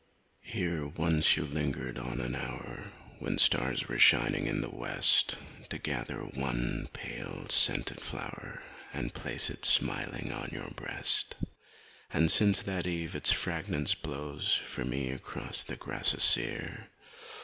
Here once you lingered on an hour When stars were shining in the west, To gather one pale, scented flower And place it smiling on your breast; And since that eve its fragrance blows For me across the grasses sere.